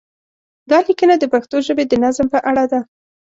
دا لیکنه د پښتو ژبې د نظم په اړه ده.